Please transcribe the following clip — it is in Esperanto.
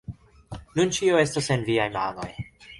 Nun ĉio estas en viaj manoj